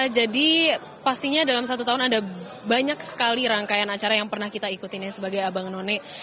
jadi pastinya dalam satu tahun ada banyak sekali rangkaian acara yang pernah kita ikutin sebagai abang none